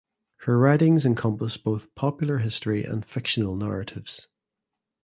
Her writings encompass both popular history and fictional narratives.